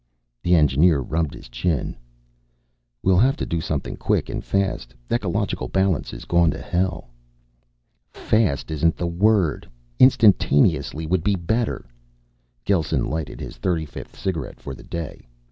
The engineer rubbed his chin. "We'll have to do something quick and fast. Ecological balance is gone to hell." "Fast isn't the word. Instantaneously would be better." Gelsen lighted his thirty fifth cigarette for the day.